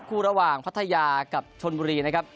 คู่ระหว่างพัทยากับชนบุรีนะครับ